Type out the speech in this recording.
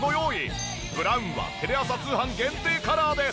ブラウンはテレ朝通販限定カラーです。